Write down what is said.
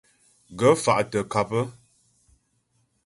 Ghə̀ fà' tə ŋkâp.